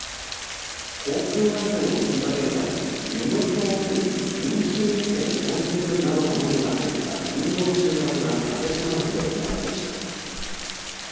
交通安全を呼びかけるため実の表面に飲酒運転根絶などの文字が入ったりんごの収穫が立科町で行われました。